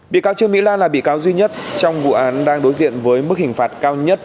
bị cáo trương mỹ lan là bị cáo duy nhất trong vụ án đang đối diện với mức hình phạt cao nhất